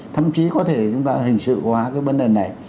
thậm chí có thể chúng ta hình sự hóa cái vấn đề này